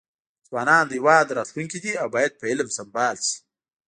ځوانان د هیواد راتلونکي دي او باید په علم سمبال شي.